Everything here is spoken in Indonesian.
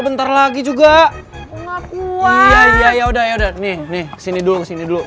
nih kesini dulu kesini dulu